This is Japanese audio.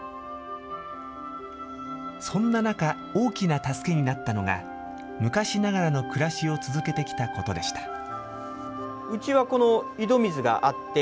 そんな中、大きな助けになったのが、昔ながらの暮らしを続けてきたことでした。